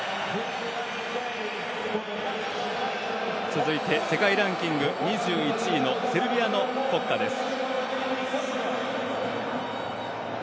続いて世界ランキング２１位のセルビアの国歌です。